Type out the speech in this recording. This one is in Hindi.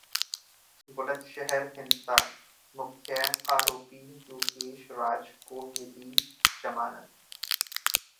बुलंदशहर हिंसा: मुख्य आरोपी योगेश राज को मिली जमानत